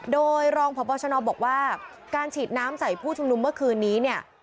โดยรองพบชนบอกว่าการฉีดน้ำใส่ผู้ชุมนุมเมื่อคืนนี้เนี่ย